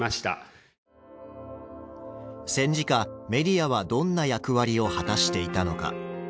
戦時下メディアはどんな役割を果たしていたのか？